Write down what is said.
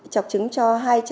chọc chứng cho